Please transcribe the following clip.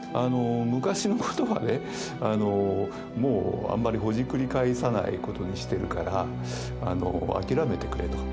昔のことはねあのもうあんまりほじくり返さないことにしてるから諦めてくれと。